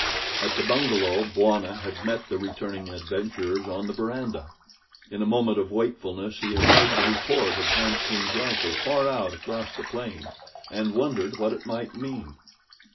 At the bungalow Bwana had met the returning adventurers on the verandah. In a moment of wakefulness he had heard the report of Hanson's rifle far out across the plain, and wondered what it might mean.